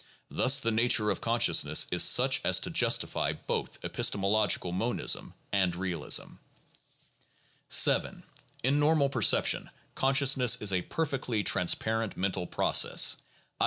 Thus the nature of consciousness is such as to justify both epistemological monism and realism. (2, 3; cf. 34, 35, and 37, p. 164.) 7. In normal perception, consciousness is a perfectly "trans parent mental process," i.